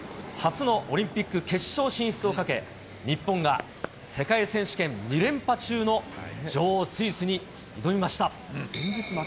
初のオリンピック決勝進出をかけ、日本が世界選手権２連覇中の女王、スイスに挑みました。